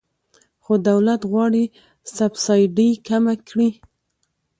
خو دولت غواړي سبسایډي کمه کړي.